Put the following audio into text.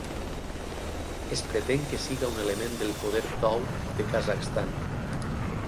Es pretén que siga un element del poder tou de Kazakhstan.